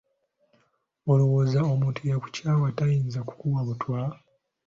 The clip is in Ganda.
Olowooza omuntu eyakukyawa tayinza okukuwa obutwa?